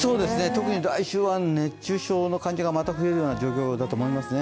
特に来週は熱中症の患者がまた増えるような状況だと思いますね。